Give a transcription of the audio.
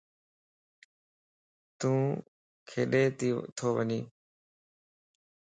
تُون کيڏي تو وڃي؟